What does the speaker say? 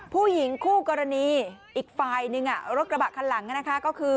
ผู้หญิงคู่กรณีอีกฝ่ายนึงรถกระบะคันหลังก็คือ